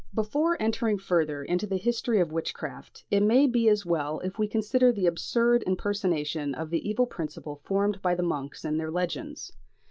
Before entering further into the history of Witchcraft, it may be as well if we consider the absurd impersonation of the evil principle formed by the monks in their legends.